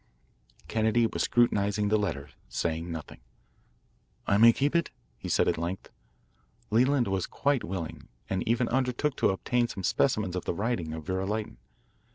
Kennedy was scrutinising the letter, saying nothing. "I may keep it?" he asked at length. Leland was quite willing and even undertook to obtain some specimens of the writing of Vera Lytton.